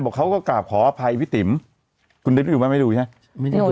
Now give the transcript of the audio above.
บอกเขาก็กราบขออภัยพี่ติ๋มคุณได้ดูไหมไม่ดูใช่ไม่ดู